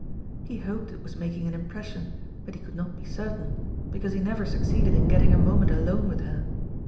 He hoped it was making an impression, but he could not be certain, because he never succeeded in getting a moment alone with her.